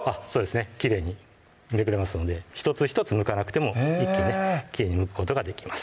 きれいにめくれますので１つ１つむかなくても一気にねきれいにむくことができます